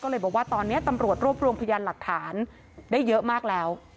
ก็เลยบอกว่าตอนนี้ตำรวจรวบรวมพยานหลักฐานได้เยอะมากแล้ว